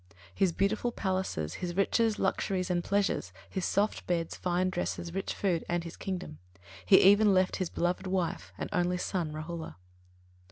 His beautiful palaces, his riches, luxuries and pleasures, his soft beds, fine dresses, rich food, and his kingdom; he even left his beloved wife and only son, Rāhula.